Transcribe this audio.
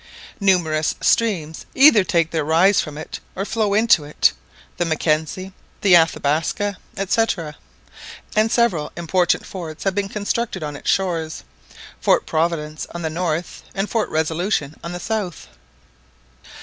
Numerous streams either take their rise from it or flow into it the Mackenzie, the Athabasca, &c. and several important forts have been constructed on its shores—Fort Providence on the north, and Fort Resolution on the south.